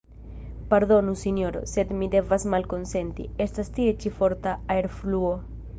Pardonu, Sinjoro, sed mi devas malkonsenti, estas tie ĉi forta aerfluo.